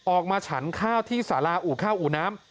ออกมาฉันข้าวที่ศาลาอู่ข้าวอู่น้ำ